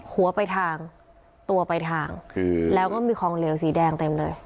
หัวไปทางตัวไปทางแล้วก็มีของเหลวสีแดงเต็มเลย